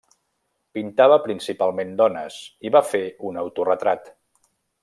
Pintava principalment dones i va fer un autoretrat.